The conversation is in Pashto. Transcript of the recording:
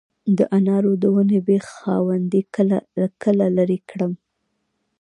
د انارو د ونې د بیخ خاوندې کله لرې کړم؟